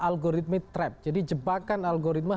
algoritma trap jadi jebakan algoritma